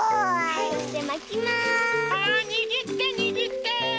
はいにぎってにぎって。